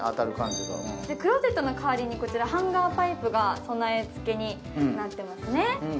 クローゼットの代わりにハンガーパイプが備えつけになっていますね。